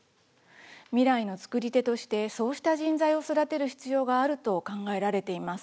未来の作り手としてそうした人材を育てる必要があると考えられています。